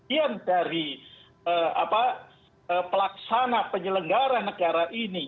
yang dari pelaksana penyelenggara negara ini